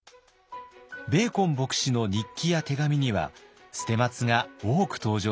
ベーコン牧師の日記や手紙には捨松が多く登場します。